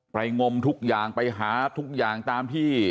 งมทุกอย่างไปหาทุกอย่างตามที่